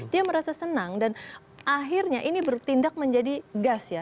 dia merasa senang dan akhirnya ini bertindak menjadi gas ya